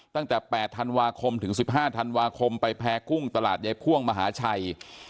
ตั้งแต่๘ธันวาคมถึง๑๕ธันวาคมไปแพ้กุ้งตลาดยายพ่วงมหาชัย